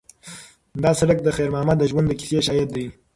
دا سړک د خیر محمد د ژوند د کیسې شاهد دی.